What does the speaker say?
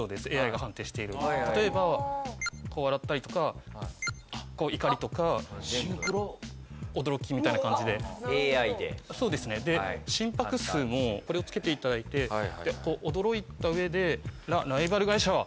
ＡＩが判定している例えばこう笑ったりとかこう怒りとか驚きみたいな感じでＡＩでそうですねで心拍数もこれをつけていただいてでこう驚いた上で「らライバル会社は！